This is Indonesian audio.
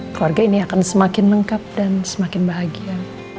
keluarga ini akan semakin lengkap dan semakin bahagia